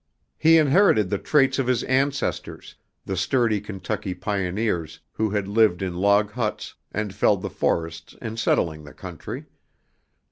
He inherited the traits of his ancestors, the sturdy Kentucky pioneers who had lived in log huts and felled the forests in settling the country.